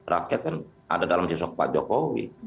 rakyat kan ada dalam sense of pak jokowi